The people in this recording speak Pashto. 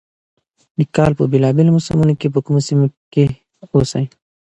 د کال په بېلا بېلو موسمونو کې په کومو سيمو کښې اوسي،